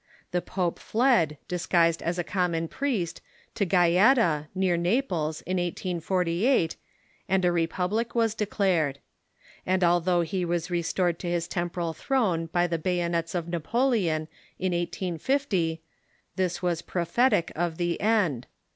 The pope fled, disguised as a common priest, to Gaeta, near Na ples, in 1848, and a republic was declared. And although he was restored to his temporal tlironeby the bayonets of Xapoleon in 1850, this was prophetic of the end.